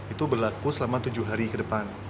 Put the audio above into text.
itu berlaku selama tujuh hari ke depan